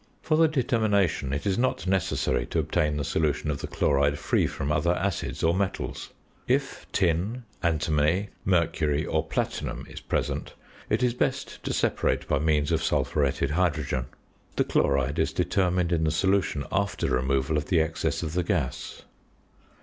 For the determination, it is not necessary to obtain the solution of the chloride free from other acids or metals. If tin, antimony, mercury, or platinum is present, it is best to separate by means of sulphuretted hydrogen. The chloride is determined in the solution after removal of the excess of the gas.